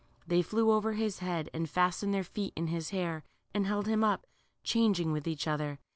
They flew over his head and fastened their feet in his hair and held him up, changing with each other.